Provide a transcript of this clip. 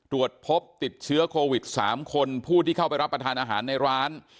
ตรวจพบติดเชื้อโควิด๓คนผู้ที่เข้าไปรับประทานอาหารในร้าน